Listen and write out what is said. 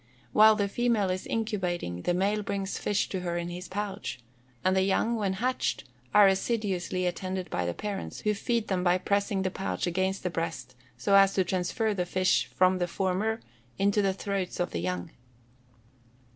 While the female is incubating, the male brings fish to her in his pouch, and the young, when hatched, are assiduously attended by the parents, who feed them by pressing the pouch against the breast, so as to transfer the fish from the former into the throats of the young.